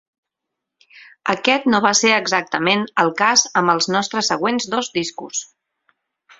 Aquest no va ser exactament el cas amb els nostres següents dos discos.